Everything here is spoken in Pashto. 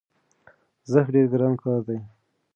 زښت ډېر ګران کار دی،